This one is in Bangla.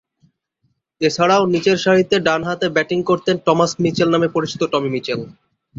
এছাড়াও নিচেরসারিতে ডানহাতে ব্যাটিং করতেন টমাস মিচেল নামে পরিচিত টমি মিচেল।